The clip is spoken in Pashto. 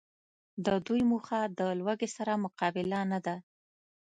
د دوی موخه د لوږي سره مقابله نده